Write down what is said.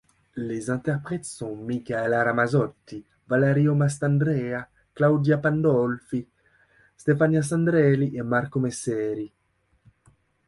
Les interprètes sont Micaela Ramazzotti, Valerio Mastandrea, Claudia Pandolfi, Stefania Sandrelli et Marco Messeri.